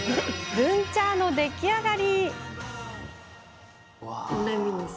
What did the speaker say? ブン・チャーの出来上がり。